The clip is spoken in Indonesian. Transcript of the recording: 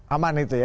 aman itu ya